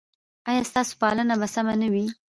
ایا ستاسو پالنه به سمه نه وي؟